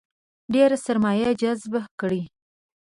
ډېره سرمایه جذبه کړي.